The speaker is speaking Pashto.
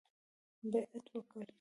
بیعت وکړ.